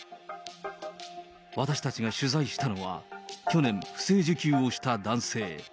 私たちが取材したのは、去年、不正受給をした男性。